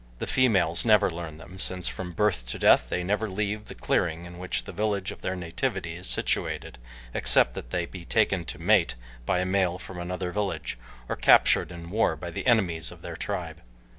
The females never learn them, since from birth to death they never leave the clearing in which the village of their nativity is situated except they be taken to mate by a male from another village, or captured in war by the enemies of their tribe.